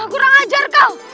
kurang ajar kau